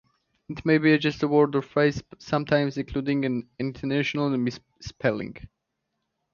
It may be just a word or phrase, sometimes including an intentional misspelling.